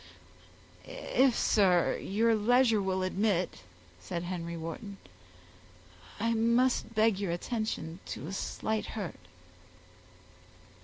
"If, sir, your leisure will admit," said Henry Wharton, "I must beg your attention to a slight hurt."